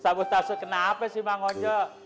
sabotase kenapa sih bang onjo